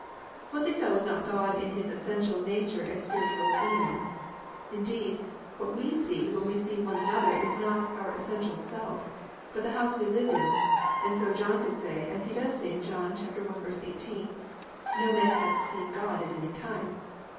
"+ What they saw was not God in His essential nature as Spiritual Being. Indeed, what we see when we see one another is not our essential self, but the house we live in, and so John could say, as he does say in John 1:18: +"No man hath seen God at any time."